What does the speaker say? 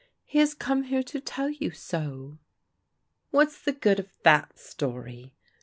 He has come here to tell you so." "What's the good of that story?"